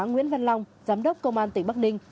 nguyễn văn long giám đốc công an tỉnh bắc ninh